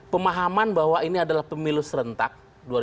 pemahaman bahwa ini adalah pemilu serentak dua ribu sembilan belas